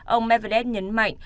ông medvedev nhấn mạnh